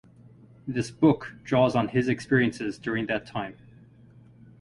This book draws on his experiences during that time.